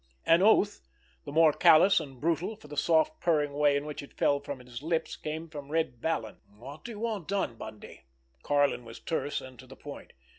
An oath, the more callous and brutal for the soft purring way in which it fell from his lips, came from Red Vallon. "What do you want done, Bundy?" Karlin was terse and to the point.